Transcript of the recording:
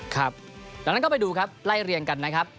ครับดังนั้นก็ไปดูครับไล่เรียงกันนะครับ